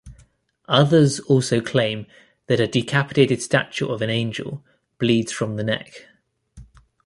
Others also claim that a decapitated statue of an angel bleeds from the neck.